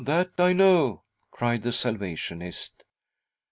that I know," cried the Salvationist.